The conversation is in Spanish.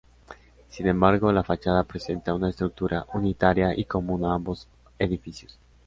Sin embargo, la fachada presenta una estructura unitaria y común a ambos edificios.